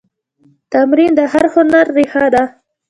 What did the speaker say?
تمرین د هر هنر ریښه ده.